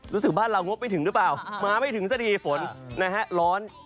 รู้สึกบ้านเรางบไม่ถึงหรือเปล่ามาไม่ถึงสักทีฝนนะฮะร้อน